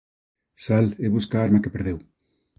Sal e busca a arma que perdeu.